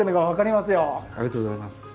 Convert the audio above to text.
ありがとうございます。